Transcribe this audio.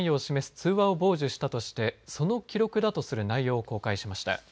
通話を傍受したとしてその記録だとする内容を公開しました。